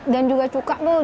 dan juga cuka tuh